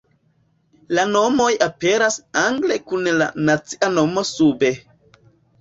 La nomoj aperas angle kun la nacia nomo sube.